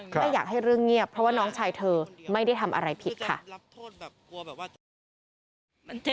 ไม่อยากให้เรื่องเงียบเพราะว่าน้องชายเธอไม่ได้ทำอะไรผิดค่ะ